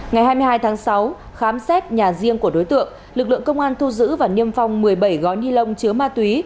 ngày hai mươi hai tháng sáu khám xét nhà riêng của đối tượng lực lượng công an thu giữ và niêm phong một mươi bảy gói ni lông chứa ma túy